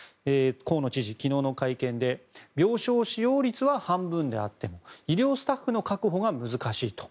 河野知事、昨日の会見で病床使用率は半分であっても医療スタッフの確保が難しいと。